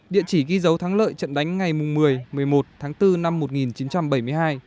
địa chỉ ghi dấu thắng lợi trận đánh ngày một mươi một mươi một tháng bốn năm một nghìn chín trăm bảy mươi hai